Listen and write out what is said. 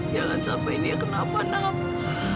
jangan sampai dia kenapa namu